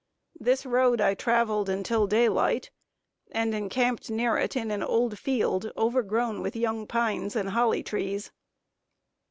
This road I traveled until daylight, and encamped near it in an old field, overgrown with young pines and holly trees.